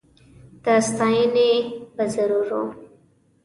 د ستایني به ضرور و